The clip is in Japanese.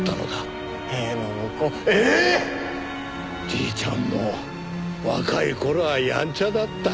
じいちゃんも若い頃はやんちゃだった。